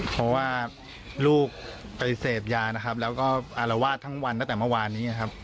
เพราะว่าลูกไปเสพยานะครับแล้วก็อารวาสทั้งวันตั้งแต่เมื่อวานนี้ครับ